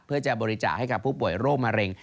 เพื่อจะบริจาคให้กับผู้ป่วยโรคมะเร็ง